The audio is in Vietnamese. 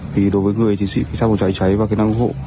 vì đối với người chiến sĩ sát bóng cháy cháy và kỹ năng hữu hộ